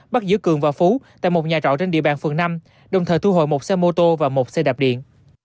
bắt giữ cường và phú tại một nhà trọ trên địa bàn phường năm đồng thời thu hồi một xe mô tô và một xe đạp điện